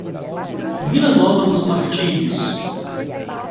Vila Nova dos Martírios